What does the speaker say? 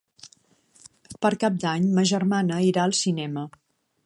Per Cap d'Any ma germana irà al cinema.